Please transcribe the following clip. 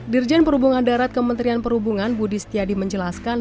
dirjen perhubungan darat kementerian perhubungan budi setiadi menjelaskan